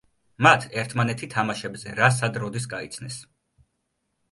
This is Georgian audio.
მათ ერთმანეთი თამაშებზე „რა, სად, როდის“ გაიცნეს.